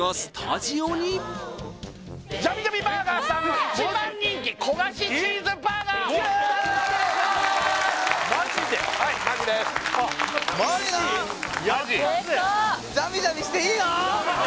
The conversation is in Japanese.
ジャミジャミしていいんだよ